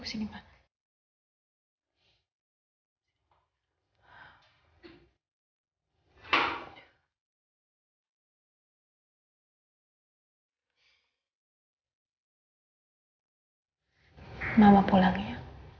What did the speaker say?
sebentar aku telfon dulu ya